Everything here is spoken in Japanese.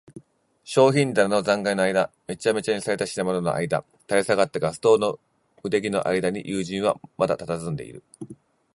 商品棚の残骸のあいだ、めちゃめちゃにされた品物のあいだ、垂れ下がったガス燈の腕木のあいだに、友人はまだたたずんでいる。